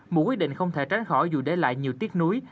một quyết định không thể tránh khỏi dù để lại nhiều tiếc nuối